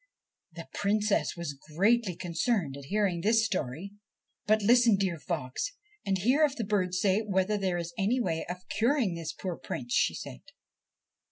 The Princess was greatly concerned at hearing this story. ' But listen, dear fox, and hear if the birds say whether there is any way of curing this poor Prince/ she said.